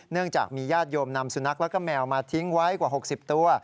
เนื่องจากมีญาติโยมนำสุนัขแล้วก็แมวมาทิ้งไว้กว่า๖๐ตัว